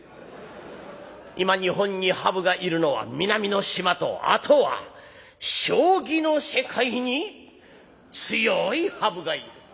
今日本にハブがいるのは南の島とあとは将棋の世界に強いハブがいる。